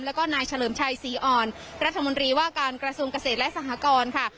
แล้วก็นายเฉลิมชัยศรีอ่อนรัฐมนตรีว่าการกระทรวงเกษตรและสหกรค่ะ